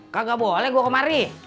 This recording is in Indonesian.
kagak boleh gue kemari